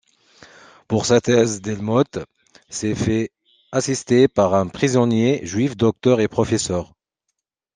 Pour sa thèse Delmotte s'est fait assister par un prisonnier juif docteur et professeur.